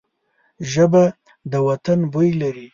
ژبه د وطن بوی لري